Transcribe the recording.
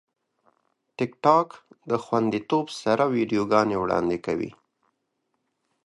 ټیکټاک د خوندیتوب سره ویډیوګانې وړاندې کوي.